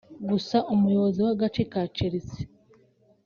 gusa umuyobozi w’agace ka Chelsea